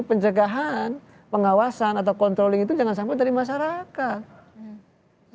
pencegahan pengawasan atau controlling itu jangan sampai dari masyarakat